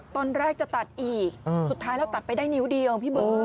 ตอนแรกจะตัดอีกสุดท้ายเราตัดไปได้นิ้วเดียวพี่เบิร์